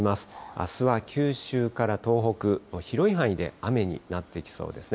あすは九州から東北、広い範囲で雨になってきそうですね。